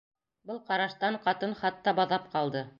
Был ҡараштан ҡатын хатта баҙап ҡалды.